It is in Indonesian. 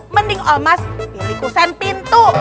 mending om bas milihku sen pintu